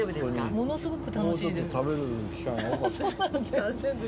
ものすごく楽しいです。